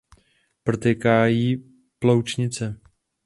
Protéká jí Ploučnice.